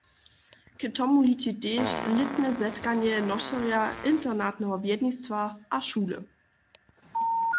K tomu liči tež lětne zetkanje nošerja, internatneho wjednistwa a šule.